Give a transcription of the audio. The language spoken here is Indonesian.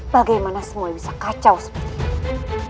bagaimana semua bisa kacau seperti ini